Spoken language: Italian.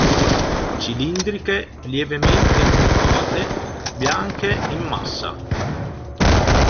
Cilindriche, lievemente incurvate, bianche in massa.